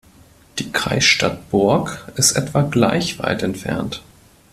Die Kreisstadt Burg ist etwa gleich weit entfernt.